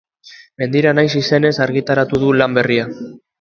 Mendira naiz izenez argitaratu du lan berria.